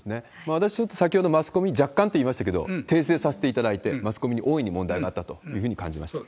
私、ちょっと、先ほどマスコミ、若干と言いましたけれども、訂正させていただいて、マスコミに大いに問題があったというふうに感じました。